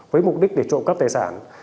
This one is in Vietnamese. với mục đích để trộm cắp tài sản